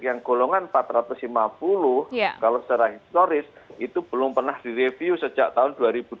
yang golongan empat ratus lima puluh kalau secara historis itu belum pernah direview sejak tahun dua ribu dua belas